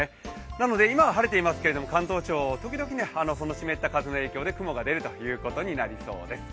なので、今は晴れていますけれども関東地方、時々、その湿った風の影響で雲が出るということです。